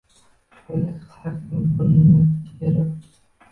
Sho’rlik qiz har kuni burnini jiyirib